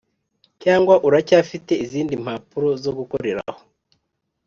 cyangwa uracyafite izindi mapuro zo gukorera ho?